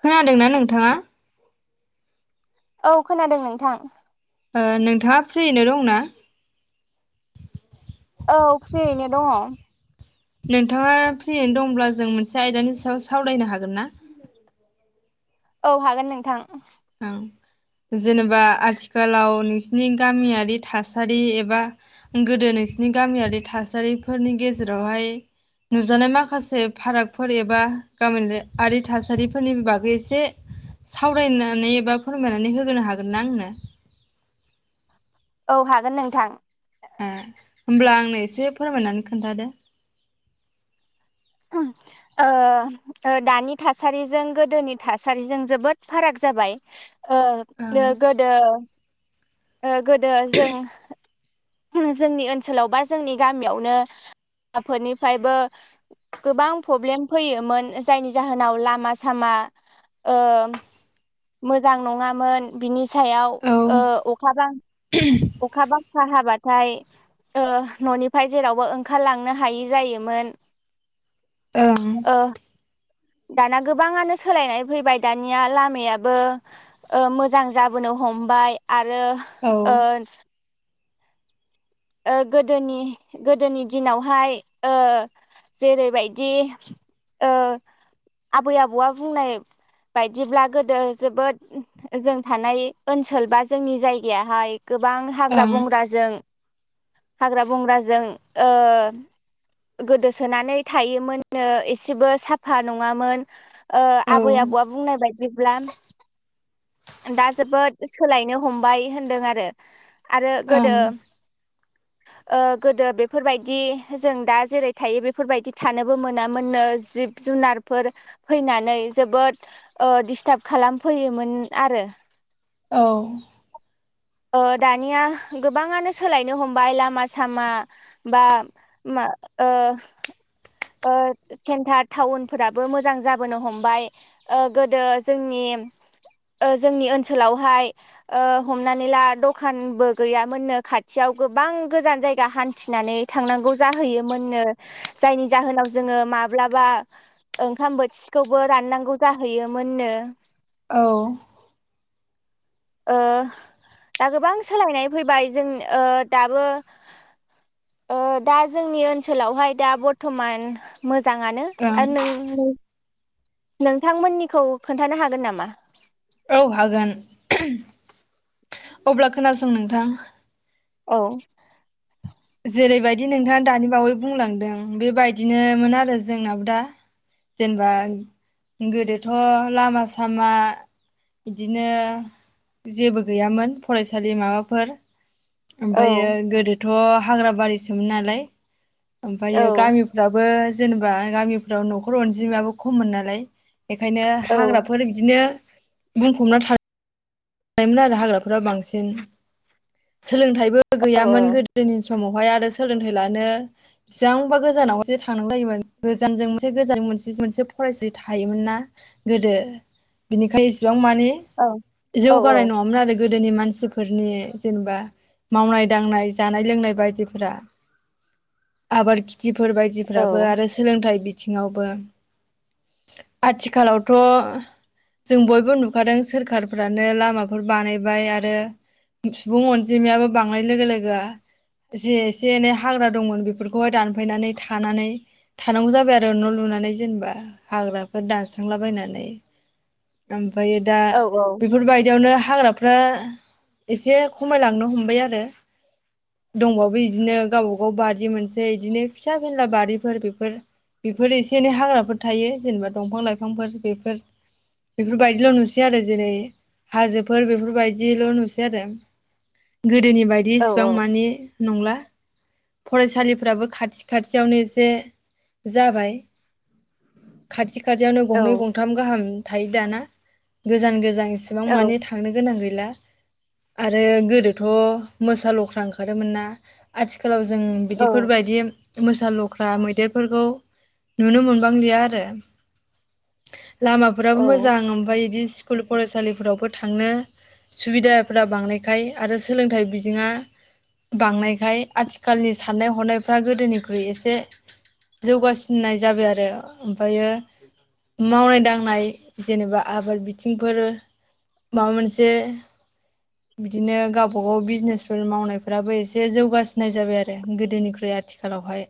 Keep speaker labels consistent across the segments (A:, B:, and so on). A: खोनादोंना नोंथाङा।
B: औ खोनादों नोंथां।
A: ओ नोंथाङा फ्रियैनो दंना
B: औ फ्रियैनो दङ'
A: नोंथाङा फ्रियैनो दंब्ला जों मोनसे आयदानि सायाव सावरायनो हागोन ना
B: औ हागोन नोंथां
A: ओं जेनेबा आथिखालाव नोंसिनि गामियारि थासारि एबा गोदो नोंसिनि गामियारि थासारिफोरनि गेजेरावहाय नुजानाय माखासे फारागफोर एबा गामियारि थासारिफोरनि बागै एसे सावरायनो नै बा फोरमायनानै होनो हागोन ना आंनो
B: औ हागोन नोंथां
A: उम होमब्ला आंनो एसे फोरमायनानै खोन्थादो।
B: ओ दानि थासारिजों गोदोनि थासारिजों जोबोद फाराग जाबाय ओ
A: ओं
B: गोदो ओ गोदो जों जोंनि ओनसोलाव बा जोंनि गामियावनो हाफोरनिफ्रायबो गोबां प्रब्लेम फैयोमोन जायनि जाहोनाव लामा सामा ओ मोजां नङामोन बिनि सायाव
A: औ
B: अखाबां खाहाबाथाय ओ न'निफ्राय जेरावबो ओंखारलांनो हायि जायोमोन।
A: ओं।
B: ओ दाना गोबाङानो सोलायनाय फैबाय दानिया लामायाबो ओ मोजां ओ जाबोनो हमबाय आरो
A: औ
B: ओ ओ गोदोनि गोदोनि दिनावहाय ओ जेरैबायदि ओ आबै आबौआ बुंनाय बायदिब्ला गोदो जोबोद जों थानाय ओनसोल बा जोंनि जायगायाहाय गोबां हाग्रा
A: ओं
B: बंग्राजों हाग्रा बंग्राजों ओ गोदोसोनानै थायोमोननो एसेबो साफा नङामोन ओ
A: औ
B: आबै आबौआ
A: ओं
B: बुंनाय बायदि ब्ला दा जोबोद सोलायनो हमबाय होनदों आरो। आरो गोदो ओ गोदो बेफोरबायदि जों दा जेरै थायो बेफोरबायदि थानोबो मोनामोननो जिब जुनारफोर फैनानै जोबोद ओ दिसस्टार्ब खालामफैयोमोन आरो।
A: औ।
B: ओ दानिया गोबाङानो सोलायनो हमबाय लामा सामा बा ओ ओ सेन्टार टाउनफोराबो मोजां जाबोनो हमबाय ओ गोदो जोंनि ओ जोंनि ओनसोलावहाय ओ नानै ला दखानबो गैयामोननो खाथियाव गोबां गोजान जायगा हान्थिनानै थांनांगौ जाहैयोमोननो जायनि जाहोनाव जोङो माब्लाबा ओंखाम बोथिसेखौबो राननांगौ जाहैयोमोननो।
A: औ।
B: ओ दा गोबां सोलायनाय फैबाय जों ओ दाबो ओ दा जोंनि ओनसोलावहाय दा बर्थमान मोजाङानो आरो नों नोंथांमोननिखौ खोन्थानो हागोन नामा?
A: औ हागोन अब्ला खोनासं नोंथां।
B: औ।
A: जेरैबायदि नोंथाङा दानि बावै ओमफायो
B: औ
A: गोदो थ' हाग्रा बारि सोमोन नालाय। ओमफायो
B: औ
A: गामिफ्राबो जेनेबा गामिफ्राव न'खर अनजिमायाबो खममोन नालाय। बेखायनो
B: औ
A: हाग्राफोर बिदिनो बुंफबना था थायोमोन आरो हाग्राफोराव बांसिन। सोलोंथाइबो
B: औ
A: गैयामोन गोदोनि समावहाय आरो सोलोंथाइ लानो बेसेबांबा गोजानावसे थांनांगौ जायोमोन गोजानजों मोनसे गोजान मोनसे मोनसे फरायसालि थायोमोन ना गोदो बिनिखाय एसेबां मान मानि
B: औ औ
A: जौगानाय नङामोन आरो। गोदोनि मानसिफोरनि जेनेबा मावनाय दांनाय जानाय लोंनाय बायदिफोरा आबाद दिफोर
B: औ
A: बायदिफ्राबो आरो सोलोंथाइ बि थिङाब्लाबो आथिखालावथ' जों बयबो नुखादों सोरखार- फ्रानो लामाफोर बानायबाय आरो सुबुं अनजिमायाबो बांनाय लोगो लोगो जे एसे एनै हाग्रा दंमोन बेफोरखौहाय दानफायनानै थानानै थानांगौ जाबाय आरो न' लुनानै जेनेबा हाग्राफोर दानस्रांलाबायनानै। ओमफ्राय दा
B: औ औ
A: बेफोरबायदियावनो हाग्राफ्रा एसे खमायलांनो हमबाय आरो दंबावो बिदिनो गावबा गाव बारि मोनसै बिदिनो फिसा फेनला बारिफोर बेफोर बेफोर एसे एनै हाग्राफोर थायो जेनेबा दंफां लाइफांफोर बेफोर बेफोरबायायदिल' नुसै आरो जेरै हाजोफोर बेफोरबायदिल' नुसै आरो गोदोनि बायदि
B: औ
A: इसिबां मानि नंला फरायसालिफ्राबो खाथि खाथियावनो एसे जाबाय खाथि खाथियावनो
B: औ
A: गंनै गंथाम गाहाम थायो दाना गोजान गोजान एसेबां मानि थांनो गोनां गै ला आरो गोदोथ' मोसा लख्रा ओंखारोमोन ना आथि खालाव जों बिदिफोरबायदि मोसा लख्रा मैदेरफोरखौ नुनो मोनबांलिया आरो
B: औ
A: लामाफोराबो मोजां ओमफाय इदि स्कुल फरायसालिफोर फोरावबो थांनो सुबिदाफोरा बांनायखाय आरो सोलोंथाइ बिजोङा बांनायखाय आथिखालनि साननाय हनायफ्रा गोदोनिख्रुइ एसे जौगासिननाय जाबाय आरो ओमफ्रायो मावनाय दांनाय जेनेबा आबाद बिथिंफोर माबा मोनसे बिदिनो गावबा गाव बिजनेसफोर मावनायफोराबो एसे जौगासिनाय जाबाय आरो गोदोनिख्रुइ आथिखालावहाय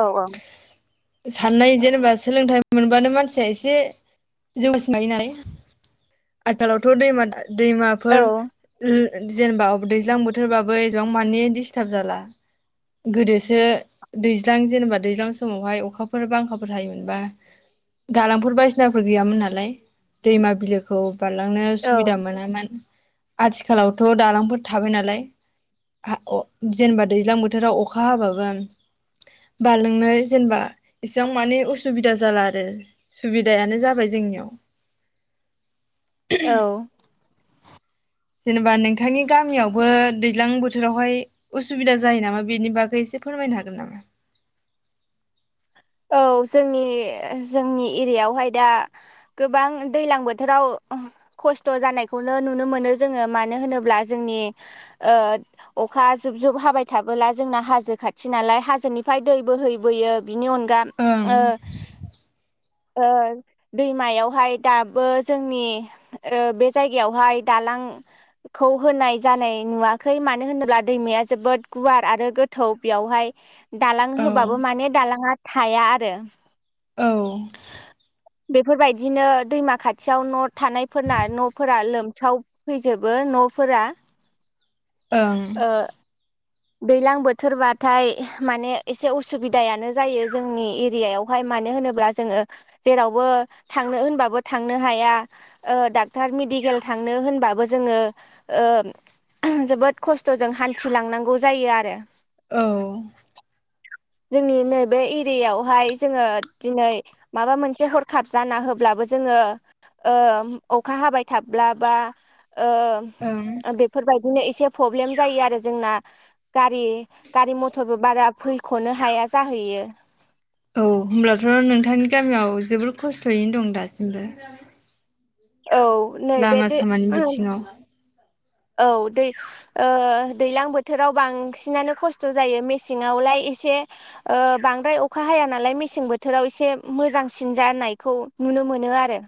B: औ औ
A: साननाय जेनेबा सोलोंथाइ मोनबानो मानसिया एसे जौगासिनो हायो नालाय आथिखालावथ' दैमा दैमाफोर जेनेबाब दैज्लां बोथोरबाबो एसेबां मानि दिस्टार्ब जाला गोदोसो दैज्लां जेनेबा दैज्लां समावहाय अखाफोर बांखाफोर हायोमोनबा दालांफोर बायदिसिनाफोर गैयामोन नालाय दैमा बिलोखौ बारलांनो सुबिदा मोनामोन आथिखालावथ' दालांफोर थाबाय नालाय जेनेबा दैज्लां बोथोराव अखा हाबाबो बारलांनो जेनेबा इसेबां मानि उसुबिदा जाला आरो सुबिदायानो जाबाय जोंनियाव
B: औ
A: जेनेबा नोंथांनि गामियावबो दैज्लां बोथोरावहाय उसुबिदा जायो नामा बेनि बागै एसे फोरमायनो हागोन नामा?
B: औ जोंनि - जोंनि एरियायावहाय दा गोबां दैज्लां बोथोराव खस्थ' जानायखौनो नुनो मोनो जोङो मानो होनोब्ला जोंनि ओ अखा जुब - जुब हाबाय थाबोला जोंना हाजो खाथि नालाय हाजोनिफ्राय दै बोहैबोयो बिनि अन दा
A: ओं
B: ओ ओ दैमायावहाय दाबो जोंनि ओ बे जायगायावहाय दालांखौ होनाय जानाय नुवाखै मानो होनोब्ला दैमाया जोबोद गुवार आरो गोथौ बेयावहाय दालां
A: औ
B: होबाबो माने दालाङा थाया आरो।
A: औ।
B: बेफोरबायदिनो दैमा खाथियाव नट थानायफोरना न'फोरा लोम साव फैजोबो न'फोरा।
A: ओं।
B: ओ दैलां बोथोरबाथाय माने एसे उसुबिदायानो जायो जोंनि एरियायावहाय मानो होनोब्ला जोङो जेरावबो थांनो होनबाबो थांनो हाया ओ डाक्टार मेडिकेल थांनो होनबाबो जोंङो ओ जोबोद खस्थ'जों हान्थिलांनांगौ जायो आरो।
A: औ।
B: जोंनि नैबे एरियायावहाय जोंङो दिनै माबा मोनसे हरखाब जाना होब्लाबो जोङो ओ अखा हाबाय थाब्ला बा ओ
A: ओं
B: बेफोरबाय बिदिनो एसे प्रब्लेम जायो आरो जोंना। गारि गारि मथरबो बारा फैखनो हाया जाहैयो।
A: औ होनोमब्लाथ नोंथांनि गामियाव जोबोर खस्थयैनो दं दासिमबो।
B: औ नैबे
A: लामा
B: दो
A: सामानि
B: ओ
A: बिथिङाव
B: औ। ओ दैलां बोथोराव बांसिनानो खस्थ' जायो मेसेंआवलाय एसे ओ बांद्राय अखा हाया नालाय मेसें बोथोराव एसे मोजांसिन जानायखौ नुनो मोनो आरो।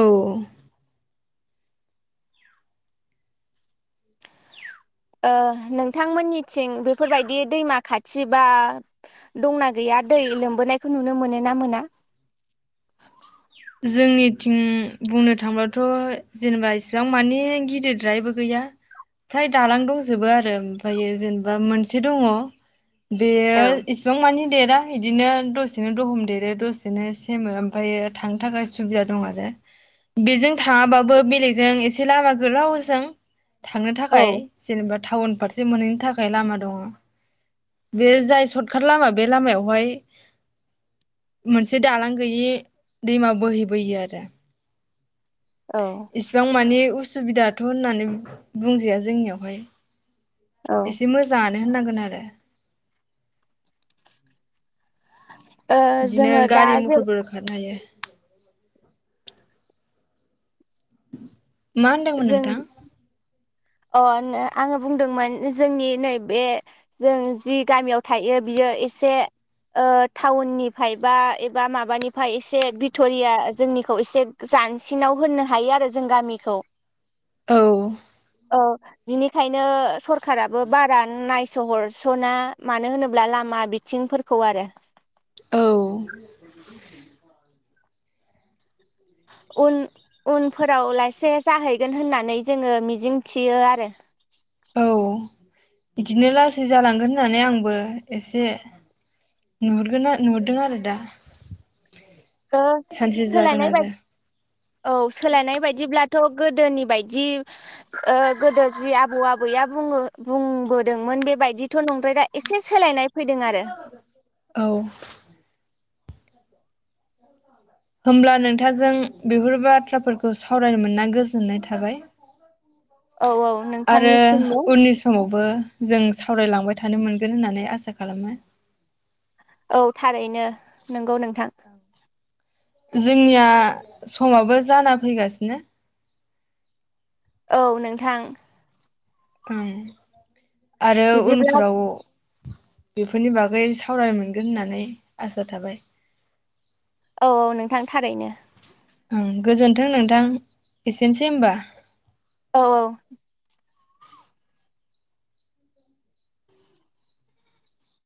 A: औ
B: ओ नोंथांमोननिथिं बेफोरबायदि दैमा खाथि बा दंना गैया दै लोमबोनायखौ नुनो मोनो ना मोना?
A: जोंनिथिं बुंनो थांब्लाथ जेनेबा इसिबां माने गिदिरद्रायबो गैया फ्राय दालां दंजोबो आरो ओमफ्रायो जेनेबा मोनसे दंङ।
B: औ
A: बेयो इसिबां मानि देरा। इदिनो दसेनो दहम देरो दसेनो सेमो ओमफायो थांनो थाखाय सुबिदा दं आरो बेजों थाङाबाबो बेलेगजों एसे लामा गोलावजों थांनो थाखाय
B: औ
A: जेनेबा टाउन फारसे मोनहैनो थाखाय लामा दंङ बे जाय सर्टकाट लामा बे लामायावहाय मोनसे दालां गैयि दैमा बोहैबोयो आरो।
B: औ
A: इसिबां माने उस सुबिदाथ होननानै बुंजाया जोंनियावहाय
B: ओ
A: एसे मोजांङानो। होननांगोन आरो [inaudible] बिदिनो
B: जोङो दा
A: गारि
B: जों
A: मथरफोर खारनो हायो। मा होनदोंमोन
B: जों
A: नोंथां।
B: अ आंङो - आंङो बुंदोंमोन जोंनि नैबे जों जि गामियाव थायो बियो एसे ओ टाउननिफ्राय बा एबा माबानिफ्राय एसे भिट'रिया जोंनिखौ एसे जानसिनाव होननो हायो आरो जों गामिखौ।
A: औ।
B: औ बिनिखायनो सरखाराराबो बारा नायसहरसना मानो होनोब्ला लामा बिथिंफोरखौ आरो।
A: औ। [inaudible]
B: उन उनफोराव लासे जाहैगोन होननानै जोंङो मिजिं थियो आरो।
A: औ बिदिनो लासै जालांगोन होननानै आंबो एसे नुहरो। दों आरो दा। सानसे जागोन
B: सोलायनाय
A: आरो
B: बायदि औ सोलायनाय बायदिब्लाथ'। गोदोनि बायदि गोदो जि आबौ आबैया बुंङो बुंबोदोंमोन बेबायदिथ' नंद्रायला दा एसे सोलायनाय फैदों आरो
A: औ। होमब्ला नोंथांजों बेफोर बाथ्राफोरखौ सावरायनो मोना गोजोननाय थाबाय।
B: औ औ
A: आरो
B: नोंथांनिसिमबो
A: उननि समावबो जों सावरायलांबाय थानो मोनगोन होननानै आसा खालामो।
B: औ थारैनो नोंगौ नों। थां।
A: जोंनिया समाबो जाना फैगासिनो।
B: औ नोंथां।
A: औ। आरो
B: बिदिब्ला
A: उनफ्राव। बेफोरनि बागै सावराय मोनगोन होननानै आसा थाबाय।
B: औ औ नोंथां थारैनो।
A: ओं गोजोन्थों नोंथां एसेनोसै होमबा।
B: औ औ।